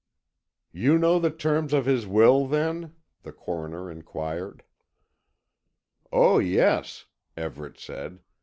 "You know the terms of his will, then?" the Coroner inquired. "Oh, yes," Everett said.